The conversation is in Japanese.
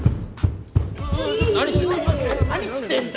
何してんの？